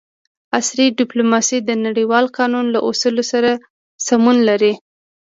عصري ډیپلوماسي د نړیوال قانون له اصولو سره سمون لري